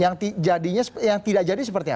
yang jadinya yang tidak jadi